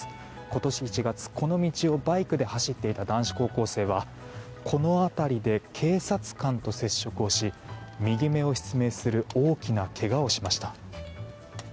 今年１月、この道をバイクで走っていた男子高校生はこの辺りで警察官と接触をし右目を失明する大きなけがをしました。